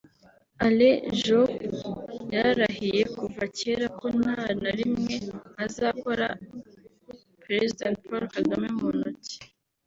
Alain Juppe yararahiye kuva cyera ko nta na rimwe azakora President Paul Kagame mu ntoki